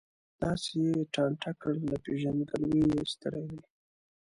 داسې یې ټانټه کړ، له پېژندګلوۍ یې ایستلی دی.